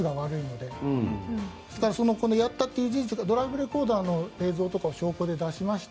ですから、やったという事実がドライブレコーダーの映像とかを証拠で出しました